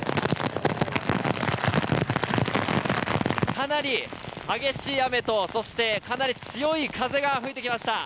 かなり激しい雨と、そしてかなり強い風が吹いてきました。